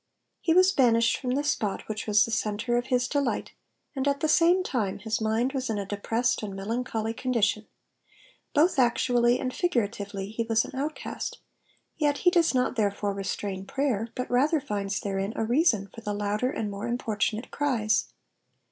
'*'* He was banished from the spot which was the centre of his delight, and at the same time his mind was in a depressed and melancholy condition ; both actually and figuratively he was an outcast, yet he does not therefore restrain prayer, but rather finds therem a reason for the louder and more importunate cries.